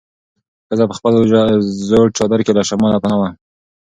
ښځه په خپل زوړ چادر کې له شماله پناه وه.